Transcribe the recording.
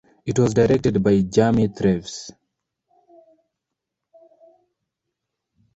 It was directed by Jamie Thraves.